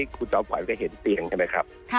ครับ